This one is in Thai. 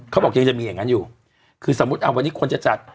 เขาบอกยังจะมีอย่างนั้นอยู่คือสมมุติอ่ะวันนี้คนจะจัด